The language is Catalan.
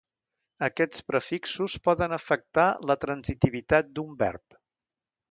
Aquests prefixos poden afectar la transitivitat d'un verb.